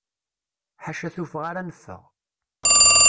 Ḥaca tuffɣa ara neffeɣ.